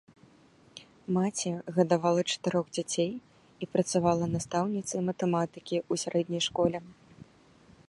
Маці гадавала чатырох дзяцей і працавала настаўніцай матэматыкі ў сярэдняй школе.